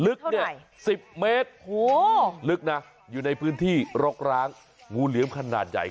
ลึกเนี่ย๑๐เมตรลึกนะอยู่ในพื้นที่รกร้างงูเหลือมขนาดใหญ่